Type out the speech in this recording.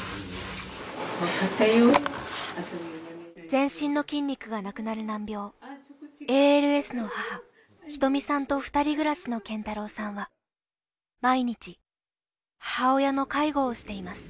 全身の筋肉がなくなる難病ＡＬＳの母仁美さんと２人暮らしの謙太郎さんは毎日母親の介護をしています